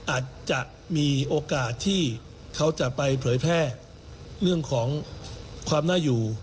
อาจจะมีโอกาสที่เขาจะไปเผยแพร่เรื่องของความน่าอยู่